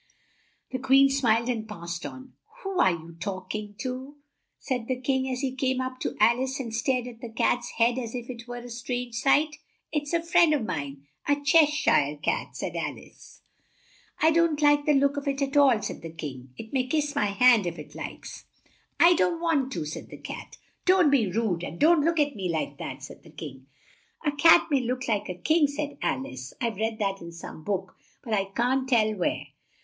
The Queen smiled and passed on. "Who are you talk ing to?" said the King, as he came up to Al ice and stared at the Cat's head as if it were a strange sight. "It's a friend of mine a Che shire Cat," said Al ice. "I don't like the look of it at all," said the King; "it may kiss my hand if it likes." "I don't want to," said the Cat. "Don't be rude; and don't look at me like that," said the King. "A cat may look at a king," said Al ice. "I've read that in some book, but I can't tell where."